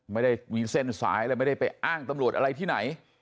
ไม่ได้มีเส้นสายอะไรไม่ได้ไปอ้างตำรวจอะไรที่ไหน